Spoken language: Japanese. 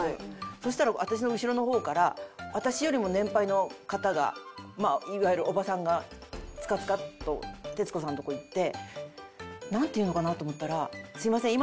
そしたら私の後ろの方から私よりも年配の方がいわゆるおばさんがつかつかっと徹子さんのとこ行ってなんて言うのかなと思ったら。